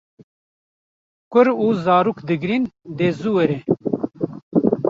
Kur û zarok digrîn, de zû were